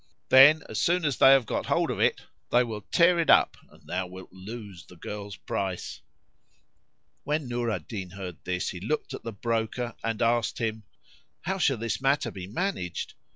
Then, as soon as they have got hold of it they will tear it up and so thou wilt lose the girl's price." When Nur al Din heard this he looked at the broker and asked him, "How shall this matter be managed?"